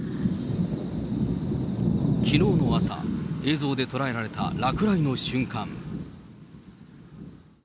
きのうの朝、映像でとらえられた落雷の瞬間。